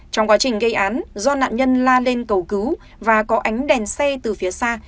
trong quá trình gây án do nạn nhân la lên cầu cứu và có ánh đèn xe từ phía xa